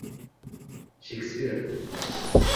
Shekspir